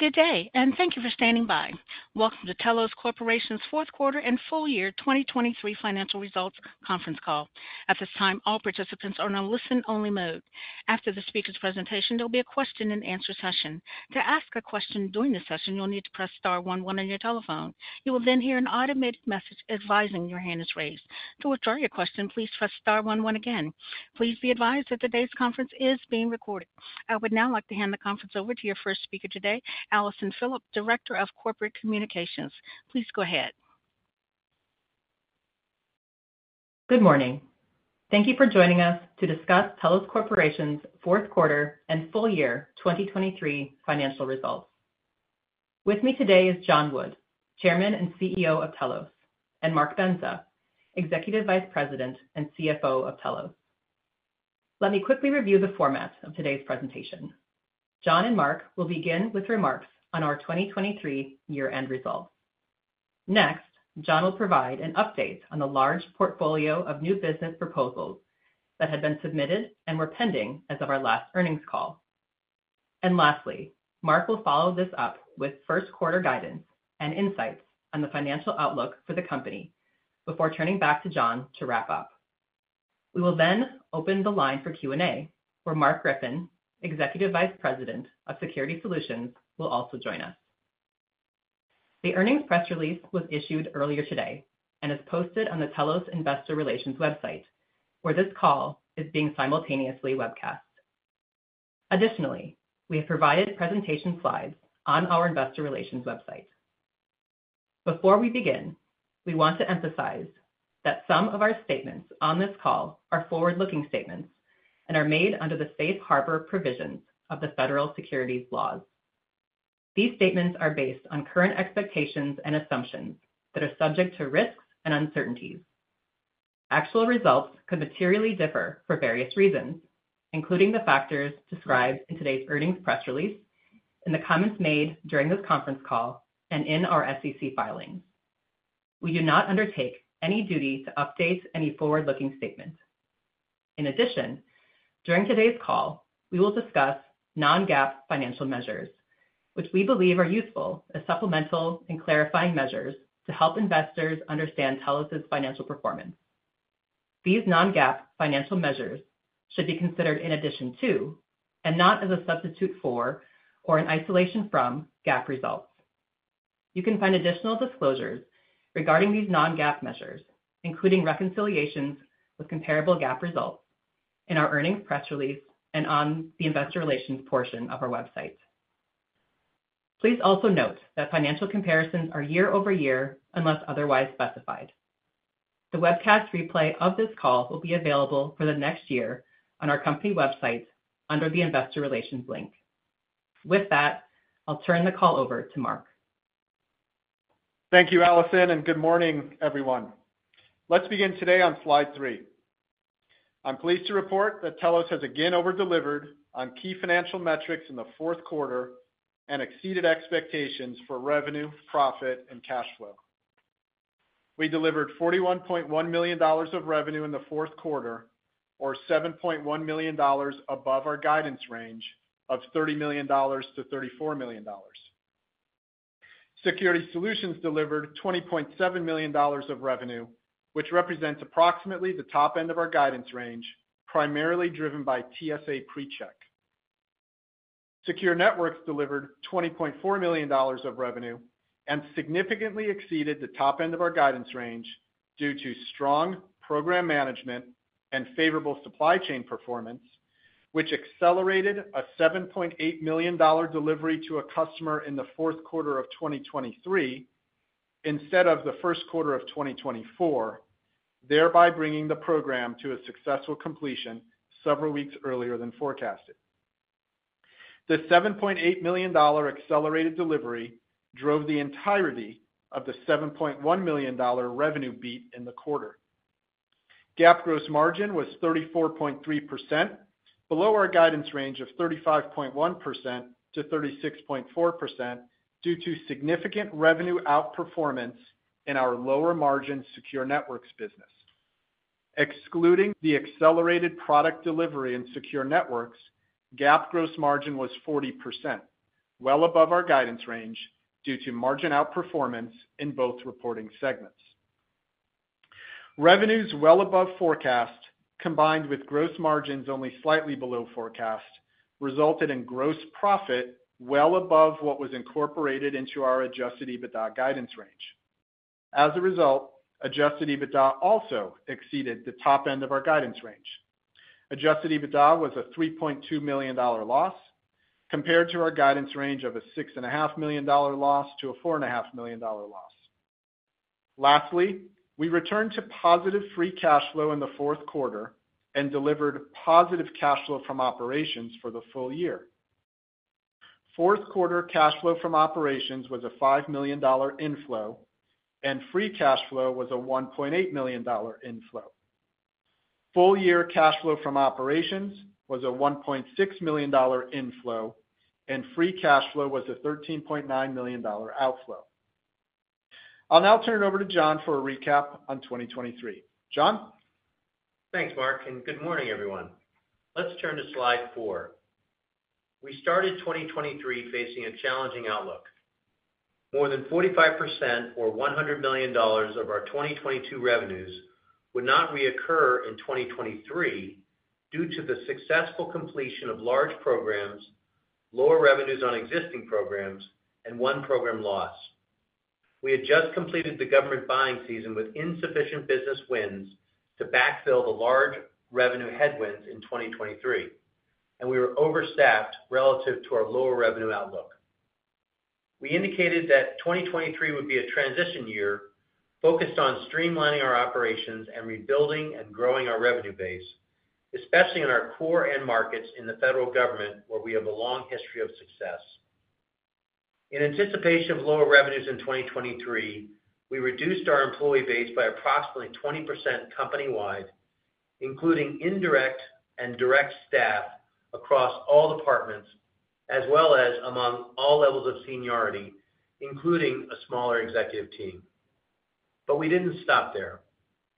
Good day, and thank you for standing by. Welcome to Telos Corporation's Q4 and FY 2023 Financial Results conference call. At this time, all participants are in a listen-only mode. After the speaker's presentation, there'll be a question-and-answer session. To ask a question during the session, you'll need to press star one one on your telephone. You will then hear an automated message advising your hand is raised. To withdraw your question, please press star one one again. Please be advised that today's conference is being recorded. I would now like to hand the conference over to your first speaker today, Allison Phillipp, Director of Corporate Communications. Please go ahead. Good morning. Thank you for joining us to discuss Telos Corporation's Q4 and FY 2023 Financial Results. With me today is John Wood, Chairman and CEO of Telos, and Mark Bendza, Executive Vice President and CFO of Telos. Let me quickly review the format of today's presentation. John and Mark will begin with remarks on our 2023 year-end results. Next, John will provide an update on the large portfolio of new business proposals that had been submitted and were pending as of our last earnings call. And lastly, Mark will follow this up with Q1 guidance and insights on the financial outlook for the company before turning back to John to wrap up. We will then open the line for Q&A, where Mark Griffin, Executive Vice President of Security Solutions, will also join us. The earnings press release was issued earlier today and is posted on the Telos Investor Relations website, where this call is being simultaneously webcast. Additionally, we have provided presentation slides on our Investor Relations website. Before we begin, we want to emphasize that some of our statements on this call are forward-looking statements and are made under the safe harbor provisions of the federal securities laws. These statements are based on current expectations and assumptions that are subject to risks and uncertainties. Actual results could materially differ for various reasons, including the factors described in today's earnings press release, in the comments made during this conference call, and in our SEC filings. We do not undertake any duty to update any forward-looking statement. In addition, during today's call, we will discuss non-GAAP financial measures, which we believe are useful as supplemental and clarifying measures to help investors understand Telos's financial performance. These non-GAAP financial measures should be considered in addition to and not as a substitute for or an isolation from GAAP results. You can find additional disclosures regarding these non-GAAP measures, including reconciliations with comparable GAAP results, in our earnings press release and on the Investor Relations portion of our website. Please also note that financial comparisons are YoY unless otherwise specified. The webcast replay of this call will be available for the next year on our company website under the Investor Relations link. With that, I'll turn the call over to Mark. Thank you, Allison, and good morning, everyone. Let's begin today on slide three. I'm pleased to report that Telos has again overdelivered on key financial metrics in the Q4 and exceeded expectations for revenue, profit, and cash flow. We delivered $41.1 million of revenue in the Q4, or $7.1 million above our guidance range of $30 million-$34 million. Security Solutions delivered $20.7 million of revenue, which represents approximately the top end of our guidance range, primarily driven by TSA PreCheck. Secure Networks delivered $20.4 million of revenue and significantly exceeded the top end of our guidance range due to strong program management and favorable supply chain performance, which accelerated a $7.8 million delivery to a customer in the Q4 of 2023 instead of the Q1 of 2024, thereby bringing the program to a successful completion several weeks earlier than forecasted. The $7.8 million accelerated delivery drove the entirety of the $7.1 million revenue beat in the quarter. GAAP gross margin was 34.3%, below our guidance range of 35.1%-36.4% due to significant revenue outperformance in our lower-margin Secure Networks business. Excluding the accelerated product delivery in Secure Networks, GAAP gross margin was 40%, well above our guidance range due to margin outperformance in both reporting segments. Revenues well above forecast, combined with gross margins only slightly below forecast, resulted in gross profit well above what was incorporated into our adjusted EBITDA guidance range. As a result, adjusted EBITDA also exceeded the top end of our guidance range. Adjusted EBITDA was a $3.2 million loss, compared to our guidance range of a $6.5 million-$4.5 million loss. Lastly, we returned to positive free cash flow in the Q4 and delivered positive cash flow from operations for the full year. Q4 cash flow from operations was a $5 million inflow, and free cash flow was a $1.8 million inflow. Full year cash flow from operations was a $1.6 million inflow, and free cash flow was a $13.9 million outflow. I'll now turn it over to John for a recap on 2023. John? Thanks, Mark, and good morning, everyone. Let's turn to slide four. We started 2023 facing a challenging outlook. More than 45%, or $100 million, of our 2022 revenues would not reoccur in 2023 due to the successful completion of large programs, lower revenues on existing programs, and one program loss. We had just completed the government buying season with insufficient business wins to backfill the large revenue headwinds in 2023, and we were overstaffed relative to our lower revenue outlook. We indicated that 2023 would be a transition year focused on streamlining our operations and rebuilding and growing our revenue base, especially in our core end markets in the federal government where we have a long history of success. In anticipation of lower revenues in 2023, we reduced our employee base by approximately 20% company-wide, including indirect and direct staff across all departments as well as among all levels of seniority, including a smaller executive team. But we didn't stop there.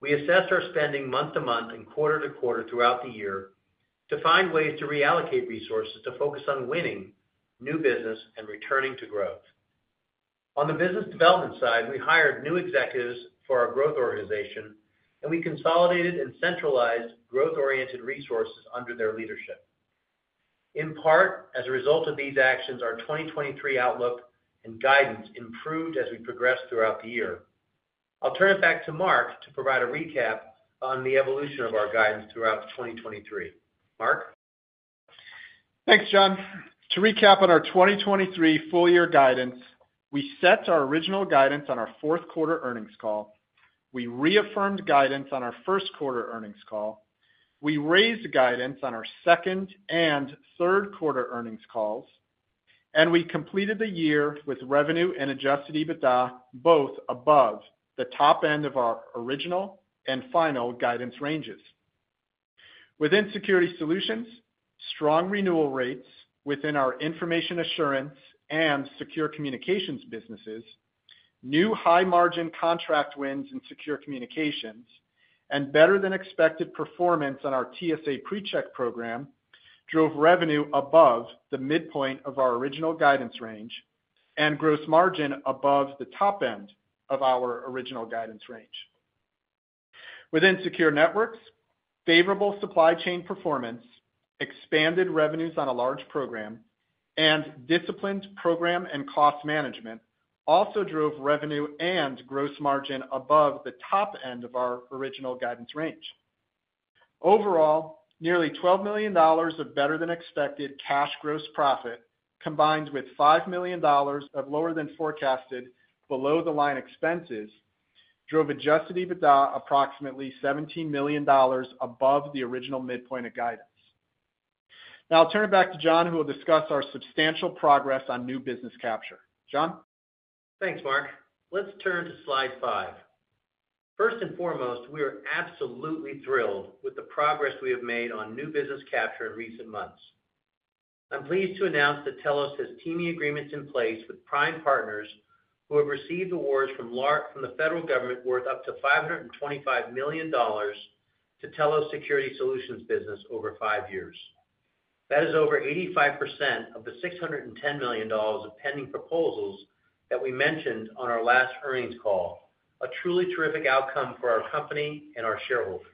We assessed our spending month to month and quarter to quarter throughout the year to find ways to reallocate resources to focus on winning new business and returning to growth. On the business development side, we hired new executives for our growth organization, and we consolidated and centralized growth-oriented resources under their leadership. In part, as a result of these actions, our 2023 outlook and guidance improved as we progressed throughout the year. I'll turn it back to Mark to provide a recap on the evolution of our guidance throughout 2023. Mark? Thanks, John. To recap on our 2023 full-year guidance, we set our original guidance on our Q4 earnings call. We reaffirmed guidance on our Q1 earnings call. We raised guidance on our second and Q3 earnings calls. We completed the year with revenue and Adjusted EBITDA both above the top end of our original and final guidance ranges. Within Security Solutions, strong renewal rates within our information assurance and secure communications businesses, new high-margin contract wins in secure communications, and better than expected performance on our TSA PreCheck program drove revenue above the midpoint of our original guidance range and gross margin above the top end of our original guidance range. Within Secure Networks, favorable supply chain performance, expanded revenues on a large program, and disciplined program and cost management also drove revenue and gross margin above the top end of our original guidance range. Overall, nearly $12 million of better than expected cash gross profit combined with $5 million of lower than forecasted below-the-line expenses drove Adjusted EBITDA approximately $17 million above the original midpoint of guidance. Now I'll turn it back to John, who will discuss our substantial progress on new business capture. John? Thanks, Mark. Let's turn to slide five. First and foremost, we are absolutely thrilled with the progress we have made on new business capture in recent months. I'm pleased to announce that Telos has teaming agreements in place with prime partners who have received awards from the federal government worth up to $525 million to Telos Security Solutions business over five years. That is over 85% of the $610 million of pending proposals that we mentioned on our last earnings call, a truly terrific outcome for our company and our shareholders.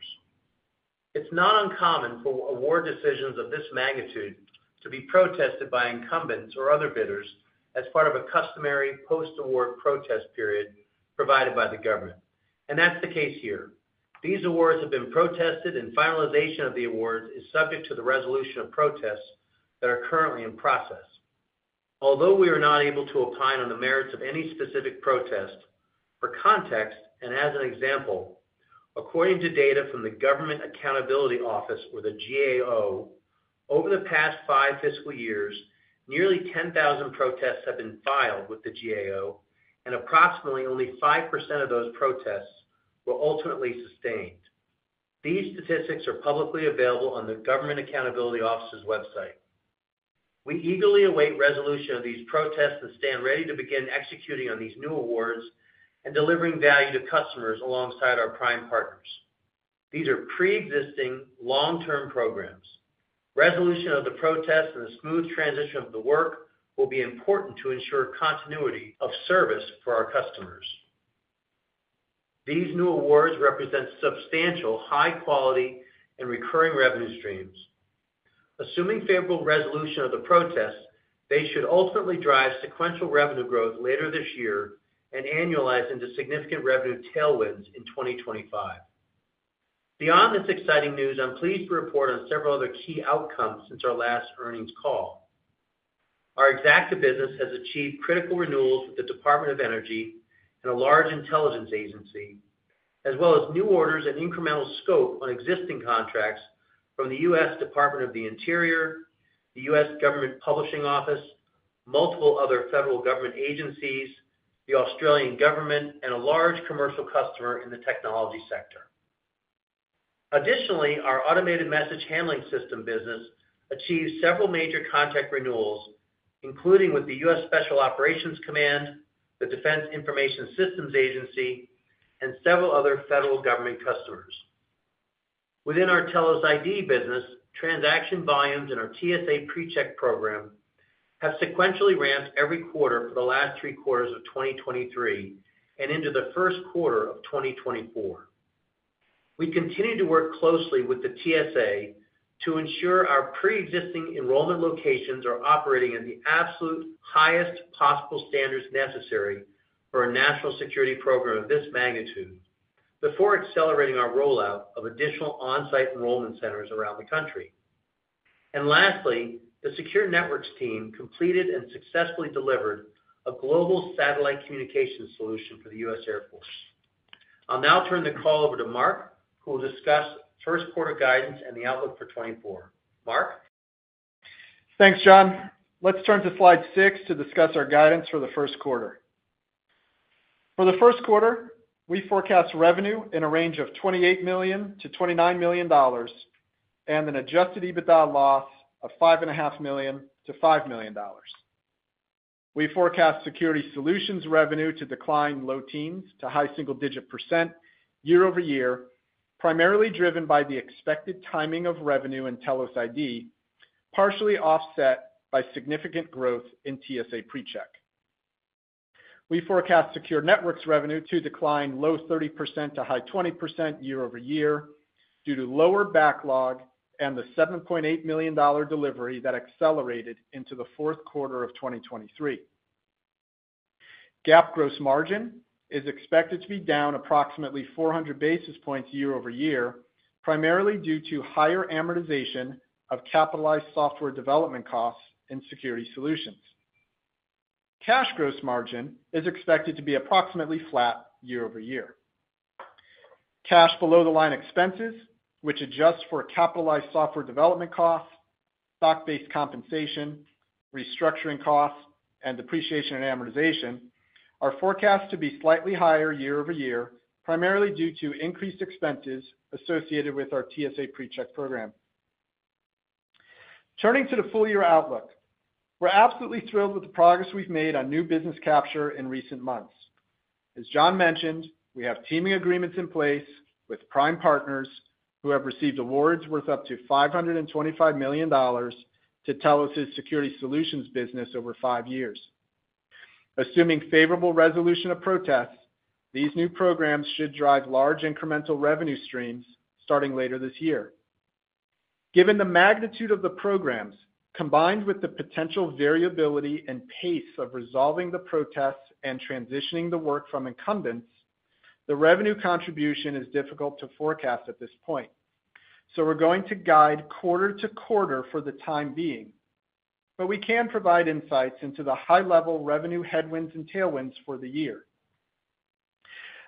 It's not uncommon for award decisions of this magnitude to be protested by incumbents or other bidders as part of a customary post-award protest period provided by the government. That's the case here. These awards have been protested, and finalization of the awards is subject to the resolution of protests that are currently in process. Although we are not able to opine on the merits of any specific protest, for context and as an example, according to data from the Government Accountability Office, or the GAO, over the past five fiscal years, nearly 10,000 protests have been filed with the GAO, and approximately only 5% of those protests were ultimately sustained. These statistics are publicly available on the Government Accountability Office's website. We eagerly await resolution of these protests and stand ready to begin executing on these new awards and delivering value to customers alongside our prime partners. These are pre-existing long-term programs. Resolution of the protests and the smooth transition of the work will be important to ensure continuity of service for our customers. These new awards represent substantial, high-quality, and recurring revenue streams. Assuming favorable resolution of the protests, they should ultimately drive sequential revenue growth later this year and annualize into significant revenue tailwinds in 2025. Beyond this exciting news, I'm pleased to report on several other key outcomes since our last earnings call. Our Xacta business has achieved critical renewals with the Department of Energy and a large intelligence agency, as well as new orders and incremental scope on existing contracts from the U.S. Department of the Interior, the U.S. Government Publishing Office, multiple other federal government agencies, the Australian government, and a large commercial customer in the technology sector. Additionally, our Automated Message Handling System business achieved several major contract renewals, including with the U.S. Special Operations Command, the Defense Information Systems Agency, and several other federal government customers. Within our Telos ID business, transaction volumes in our TSA PreCheck program have sequentially ramped every quarter for the last three quarters of 2023 and into the Q1 of 2024. We continue to work closely with the TSA to ensure our pre-existing enrollment locations are operating at the absolute highest possible standards necessary for a national security program of this magnitude before accelerating our rollout of additional on-site enrollment centers around the country. Lastly, the Secure Networks team completed and successfully delivered a global satellite communications solution for the U.S. Air Force. I'll now turn the call over to Mark, who will discuss Q1 guidance and the outlook for 2024. Mark? Thanks, John. Let's turn to slide six to discuss our guidance for the Q1. For the Q1, we forecast revenue in a range of $28 million-$29 million and an adjusted EBITDA loss of $5.5 million-$5 million. We forecast Security Solutions revenue to decline low teens to high single-digit % YoY, primarily driven by the expected timing of revenue in Telos ID, partially offset by significant growth in TSA PreCheck. We forecast Secure Networks revenue to decline low 30%-high 20% YoY due to lower backlog and the $7.8 million delivery that accelerated into the Q4 of 2023. GAAP gross margin is expected to be down approximately 400 basis points YoY, primarily due to higher amortization of capitalized software development costs in Security Solutions. Cash gross margin is expected to be approximately flat YoY. Cash below-the-line expenses, which adjust for capitalized software development costs, stock-based compensation, restructuring costs, and depreciation and amortization, are forecast to be slightly higher YoY, primarily due to increased expenses associated with our TSA PreCheck program. Turning to the full-year outlook, we're absolutely thrilled with the progress we've made on new business capture in recent months. As John mentioned, we have teaming agreements in place with prime partners who have received awards worth up to $525 million to Telos' Security Solutions business over five years. Assuming favorable resolution of protests, these new programs should drive large incremental revenue streams starting later this year. Given the magnitude of the programs combined with the potential variability and pace of resolving the protests and transitioning the work from incumbents, the revenue contribution is difficult to forecast at this point. So we're going to guide quarter to quarter for the time being, but we can provide insights into the high-level revenue headwinds and tailwinds for the year.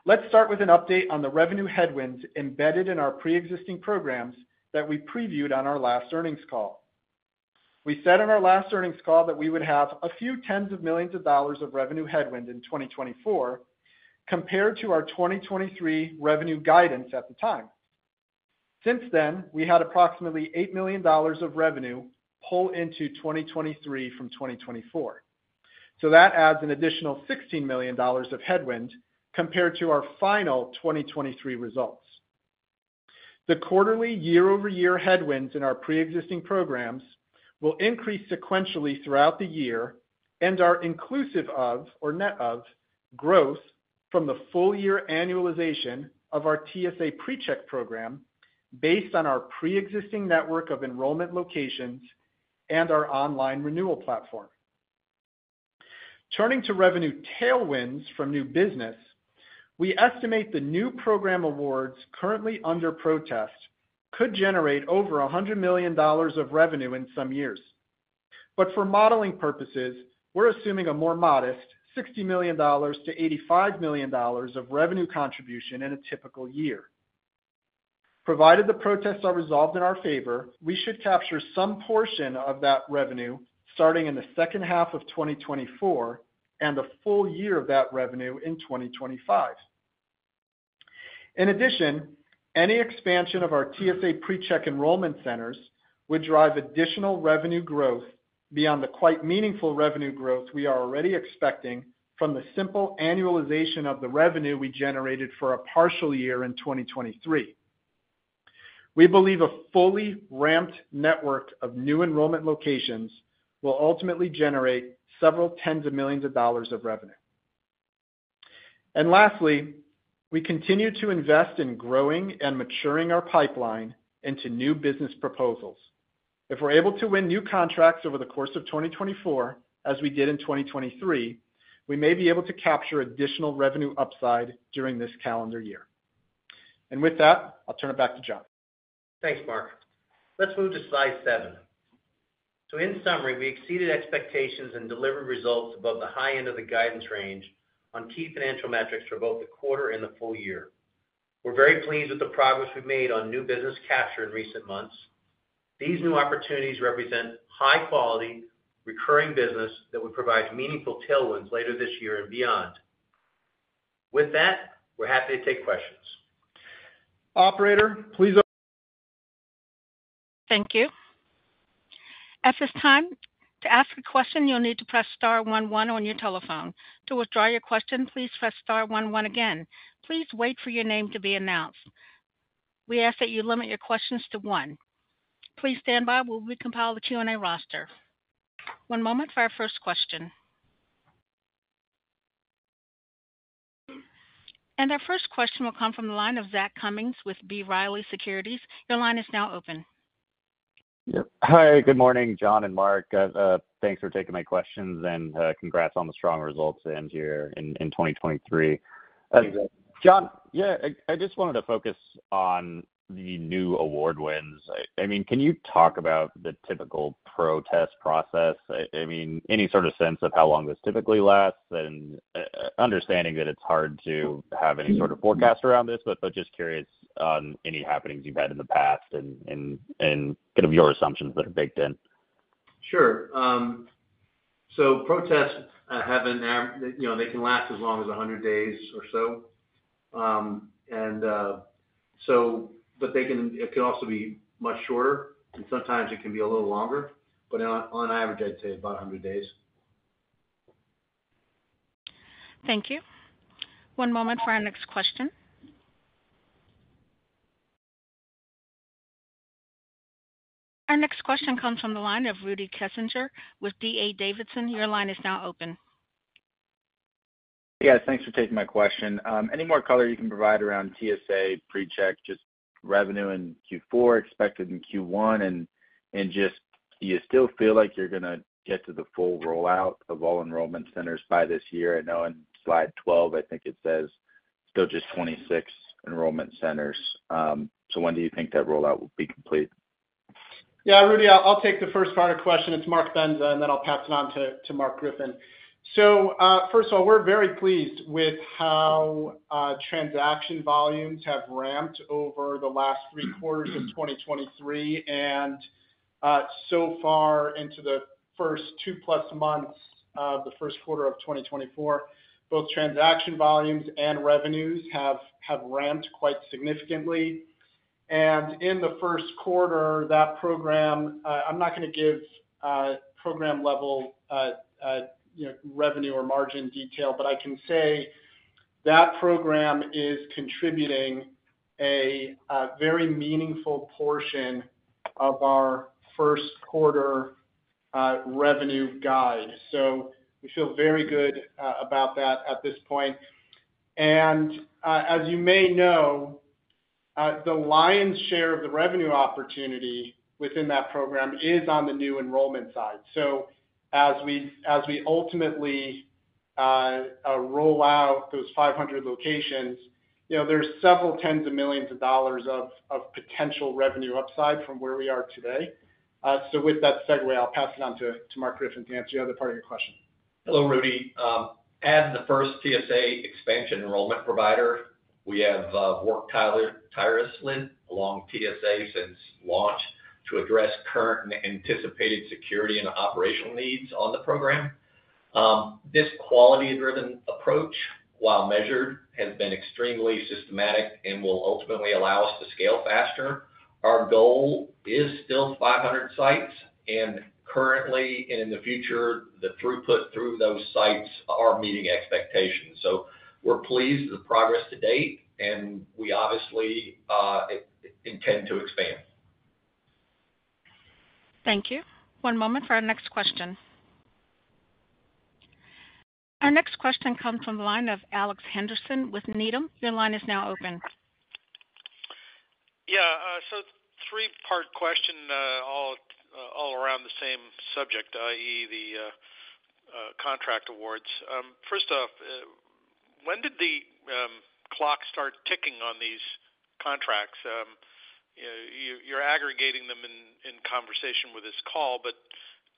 Let's start with an update on the revenue headwinds embedded in our pre-existing programs that we previewed on our last earnings call. We said on our last earnings call that we would have a few tens of millions of dollars of revenue headwind in 2024 compared to our 2023 revenue guidance at the time. Since then, we had approximately $8 million of revenue pull into 2023 from 2024. So that adds an additional $16 million of headwind compared to our final 2023 results. The quarterly YoY headwinds in our pre-existing programs will increase sequentially throughout the year and are inclusive of, or net of, growth from the full-year annualization of our TSA PreCheck program based on our pre-existing network of enrollment locations and our online renewal platform. Turning to revenue tailwinds from new business, we estimate the new program awards currently under protest could generate over $100 million of revenue in some years. But for modeling purposes, we're assuming a more modest $60 million-$85 million of revenue contribution in a typical year. Provided the protests are resolved in our favor, we should capture some portion of that revenue starting in the second half of 2024 and the full year of that revenue in 2025. In addition, any expansion of our TSA PreCheck enrollment centers would drive additional revenue growth beyond the quite meaningful revenue growth we are already expecting from the simple annualization of the revenue we generated for a partial year in 2023. We believe a fully ramped network of new enrollment locations will ultimately generate several 10s of millions of revenue. And lastly, we continue to invest in growing and maturing our pipeline into new business proposals. If we're able to win new contracts over the course of 2024 as we did in 2023, we may be able to capture additional revenue upside during this calendar year. And with that, I'll turn it back to John. Thanks, Mark. Let's move to slide seven. In summary, we exceeded expectations and delivered results above the high end of the guidance range on key financial metrics for both the quarter and the full year. We're very pleased with the progress we've made on new business capture in recent months. These new opportunities represent high-quality, recurring business that would provide meaningful tailwinds later this year and beyond. With that, we're happy to take questions. Operator, please open. Thank you. At this time, to ask a question, you'll need to press star one one on your telephone. To withdraw your question, please press star one one again. Please wait for your name to be announced. We ask that you limit your questions to one. Please stand by. We'll recompile the Q&A roster. One moment for our first question. Our first question will come from the line of Zach Cummins with B. Riley Securities. Your line is now open. Yep. Hi. Good morning, John and Mark. Thanks for taking my questions, and congrats on the strong results in 2023. John, yeah, I just wanted to focus on the new award wins. I mean, can you talk about the typical protest process? I mean, any sort of sense of how long this typically lasts and understanding that it's hard to have any sort of forecast around this, but just curious on any happenings you've had in the past and kind of your assumptions that are baked in. Sure. So protests have and they can last as long as 100 days or so. But they can, it could also be much shorter, and sometimes it can be a little longer. But on average, I'd say about 100 days. Thank you. One moment for our next question. Our next question comes from the line of Rudy Kessinger with D.A. Davidson. Your line is now open. Yeah. Thanks for taking my question. Any more color you can provide around TSA PreCheck, just revenue in Q4 expected in Q1, and just do you still feel like you're going to get to the full rollout of all enrollment centers by this year? I know on slide 12, I think it says still just 26 enrollment centers. So when do you think that rollout will be complete? Yeah. Rudy, I'll take the first part of the question. It's Mark Bendza, and then I'll pass it on to Mark Griffin. So first of all, we're very pleased with how transaction volumes have ramped over the last three quarters of 2023. And so far into the first two plus months of the Q1 of 2024, both transaction volumes and revenues have ramped quite significantly. And in the Q1, that program I'm not going to give program-level revenue or margin detail, but I can say that program is contributing a very meaningful portion of our Q1 revenue guide. So we feel very good about that at this point. And as you may know, the lion's share of the revenue opportunity within that program is on the new enrollment side. So as we ultimately roll out those 500 locations, there's several tens of millions of dollars of potential revenue upside from where we are today. So with that segue, I'll pass it on to Mark Griffin to answer the other part of your question. Hello, Rudy. As the first TSA expansion enrollment provider, we have worked tirelessly along TSA since launch to address current and anticipated security and operational needs on the program. This quality-driven approach, while measured, has been extremely systematic and will ultimately allow us to scale faster. Our goal is still 500 sites, and currently and in the future, the throughput through those sites are meeting expectations. So we're pleased with the progress to date, and we obviously intend to expand. Thank you. One moment for our next question. Our next question comes from the line of Alex Henderson with Needham. Your line is now open. Yeah. So three-part question all around the same subject, i.e., the contract awards. First off, when did the clock start ticking on these contracts? You're aggregating them in conversation with this call, but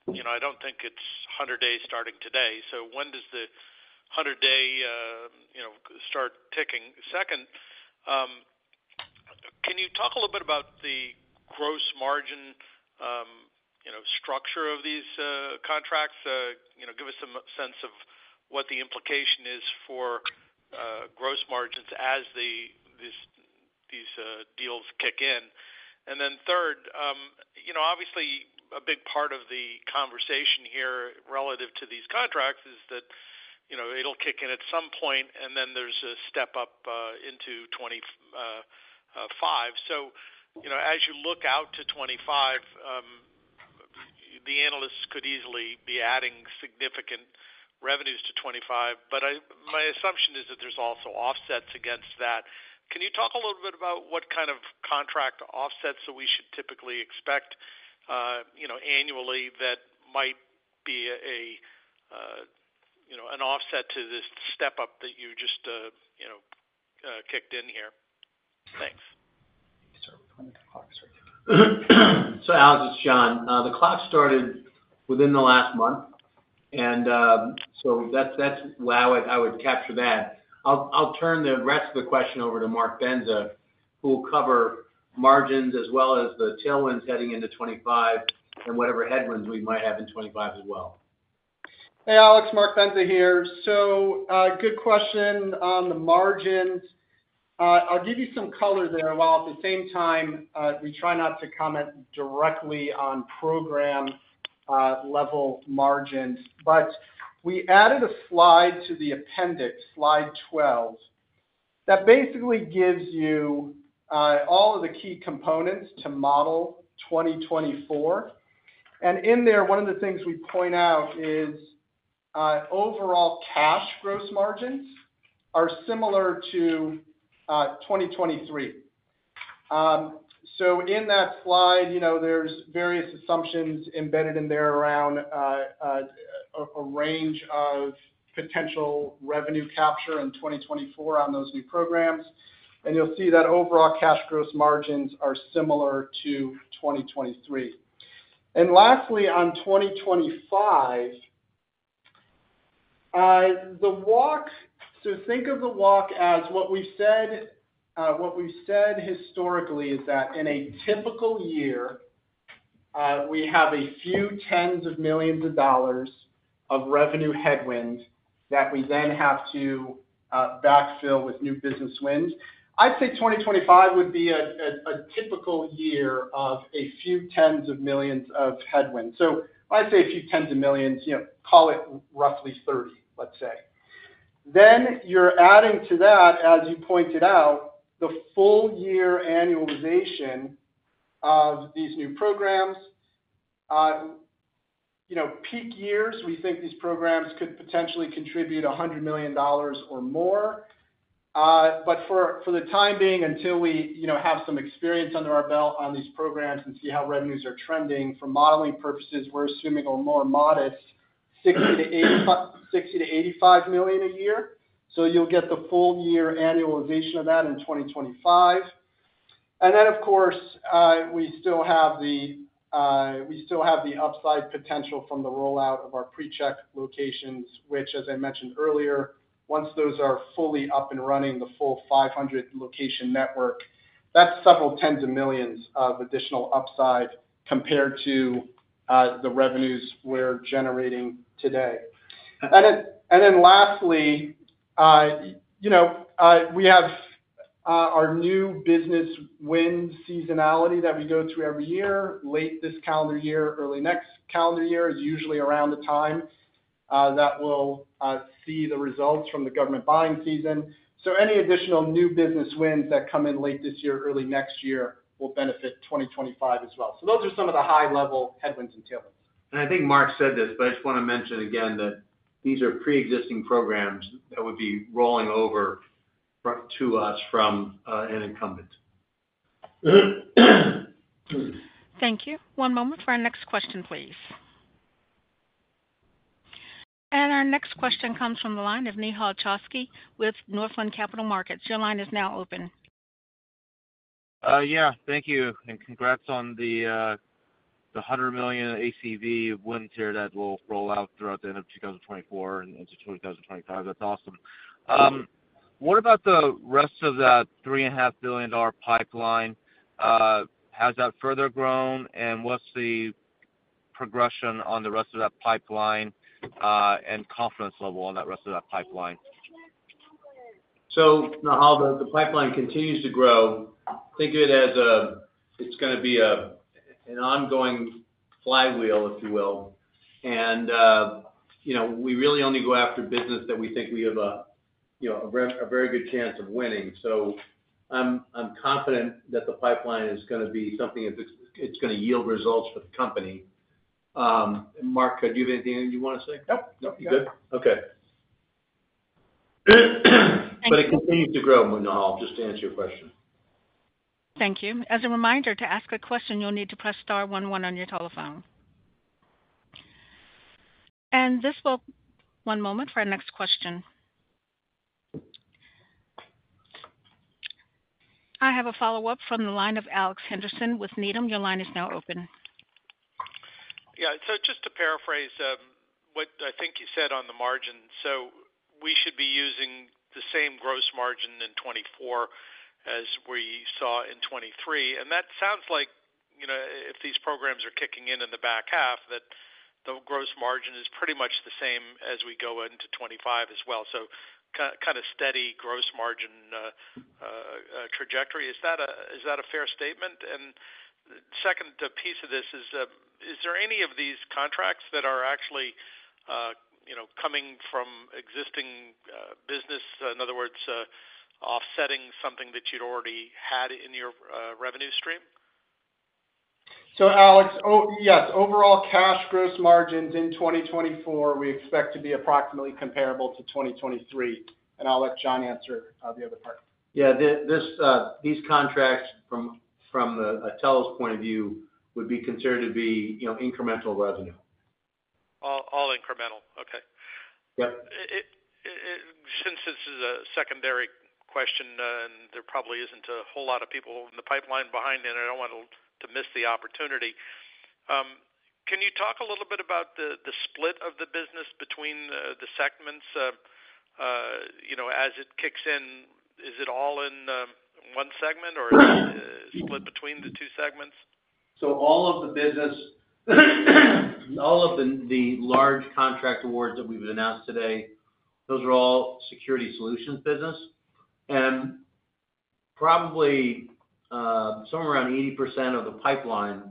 I don't think it's 100 days starting today. So when does the 100-day start ticking? Second, can you talk a little bit about the gross margin structure of these contracts? Give us a sense of what the implication is for gross margins as these deals kick in. And then third, obviously, a big part of the conversation here relative to these contracts is that it'll kick in at some point, and then there's a step up into 2025. So as you look out to 2025, the analysts could easily be adding significant revenues to 2025, but my assumption is that there's also offsets against that. Can you talk a little bit about what kind of contract offsets that we should typically expect annually that might be an offset to this step up that you just kicked in here? Thanks. You can start with when the clock starts ticking. So Alex, it's John. The clock started within the last month, and so that's how I would capture that. I'll turn the rest of the question over to Mark Bendza, who will cover margins as well as the tailwinds heading into 2025 and whatever headwinds we might have in 2025 as well. Hey, Alex. Mark Bendza here. So good question on the margins. I'll give you some color there while at the same time, we try not to comment directly on program-level margins. But we added a slide to the appendix, slide 12, that basically gives you all of the key components to model 2024. And in there, one of the things we point out is overall cash gross margins are similar to 2023. So in that slide, there's various assumptions embedded in there around a range of potential revenue capture in 2024 on those new programs. And you'll see that overall cash gross margins are similar to 2023. Lastly, on 2025, the walk, so think of the walk as what we've said historically is that in a typical year, we have a few tens of millions of dollars of revenue headwind that we then have to backfill with new business winds. I'd say 2025 would be a typical year of a few tens of millions of headwinds. So when I say a few tens of millions, call it roughly $30 million, let's say. Then you're adding to that, as you pointed out, the full-year annualization of these new programs. Peak years, we think these programs could potentially contribute $100 million or more. But for the time being, until we have some experience under our belt on these programs and see how revenues are trending, for modeling purposes, we're assuming a more modest $60 million-$85 million a year. So you'll get the full-year annualization of that in 2025. And then, of course, we still have the upside potential from the rollout of our PreCheck locations, which, as I mentioned earlier, once those are fully up and running, the full 500-location network, that's $several tens of millions of additional upside compared to the revenues we're generating today. And then lastly, we have our new business wins seasonality that we go through every year. Late this calendar year, early next calendar year is usually around the time that we'll see the results from the government buying season. So any additional new business wins that come in late this year, early next year will benefit 2025 as well. So those are some of the high-level headwinds and tailwinds. I think Mark said this, but I just want to mention again that these are pre-existing programs that would be rolling over to us from an incumbent. Thank you. One moment for our next question, please. Our next question comes from the line of Nehal Chokshi with Northland Capital Markets. Your line is now open. Yeah. Thank you. And congrats on the 100 million ACV wins here that will roll out throughout the end of 2024 and into 2025. That's awesome. What about the rest of that $3.5 billion pipeline? Has that further grown, and what's the progression on the rest of that pipeline and confidence level on that rest of that pipeline? So now, how the pipeline continues to grow, think of it as it's going to be an ongoing flywheel, if you will. We really only go after business that we think we have a very good chance of winning. So I'm confident that the pipeline is going to be something that's going to yield results for the company. Mark, could you have anything you want to say? Nope. Nope. You're good. Yeah. Okay. But it continues to grow, Nehal. Just to answer your question. Thank you. As a reminder, to ask a question, you'll need to press star one one on your telephone. And this will be one moment for our next question. I have a follow-up from the line of Alex Henderson with Needham. Your line is now open. Yeah. So just to paraphrase what I think you said on the margin, so we should be using the same gross margin in 2024 as we saw in 2023. And that sounds like, if these programs are kicking in in the back half, that the gross margin is pretty much the same as we go into 2025 as well. So kind of steady gross margin trajectory. Is that a fair statement? And second piece of this is, is there any of these contracts that are actually coming from existing business, in other words, offsetting something that you'd already had in your revenue stream? So Alex, yes. Overall cash gross margins in 2024, we expect to be approximately comparable to 2023. I'll let John answer the other part. Yeah. These contracts, from Telos' point of view, would be considered to be incremental revenue. All incremental. Okay. Since this is a secondary question, and there probably isn't a whole lot of people in the pipeline behind it, and I don't want to miss the opportunity, can you talk a little bit about the split of the business between the segments as it kicks in? Is it all in one segment, or is it split between the two segments? So all of the large contract awards that we've announced today, those are all security solutions business. And probably somewhere around 80% of the pipeline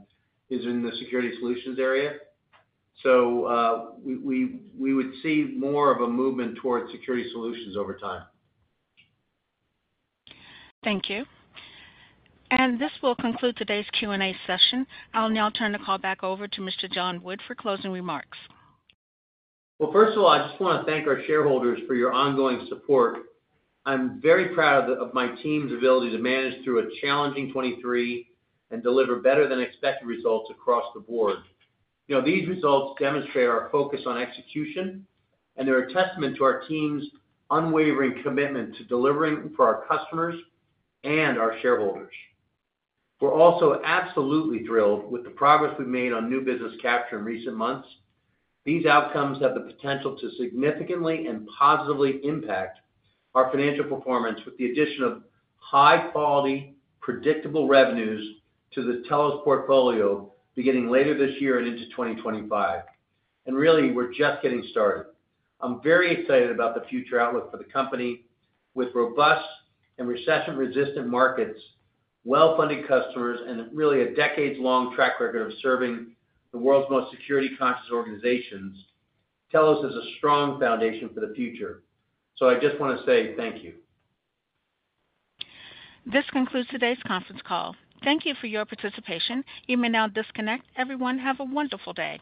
is in the security solutions area. So we would see more of a movement towards security solutions over time. Thank you. This will conclude today's Q&A session. I'll now turn the call back over to Mr. John Wood for closing remarks. Well, first of all, I just want to thank our shareholders for your ongoing support. I'm very proud of my team's ability to manage through a challenging 2023 and deliver better-than-expected results across the board. These results demonstrate our focus on execution, and they're a testament to our team's unwavering commitment to delivering for our customers and our shareholders. We're also absolutely thrilled with the progress we've made on new business capture in recent months. These outcomes have the potential to significantly and positively impact our financial performance with the addition of high-quality, predictable revenues to the Telos portfolio beginning later this year and into 2025. And really, we're just getting started. I'm very excited about the future outlook for the company. With robust and recession-resistant markets, well-funded customers, and really a decades-long track record of serving the world's most security-conscious organizations, Telos has a strong foundation for the future. I just want to say thank you. This concludes today's conference call. Thank you for your participation. You may now disconnect. Everyone, have a wonderful day.